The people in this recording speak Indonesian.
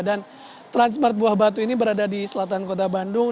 dan transmart buah batu ini berada di selatan kota bandung